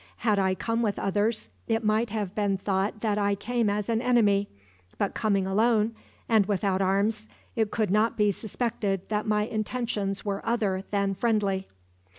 Had I come with others, it might have been thought that I came as an enemy; but coming alone, and without arms, it could not be suspected that my intentions were other than friendly."